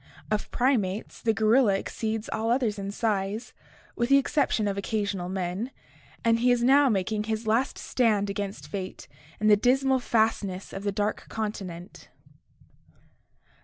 Of primates, the gorilla exceeds all others in size, with the exception of occasional men, and he is now making his last stand against fate in the dismal fastness of the dark continent.